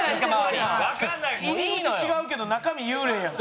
入り口違うけど中身幽霊やん。